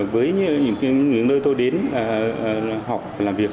với những nơi tôi đến học làm việc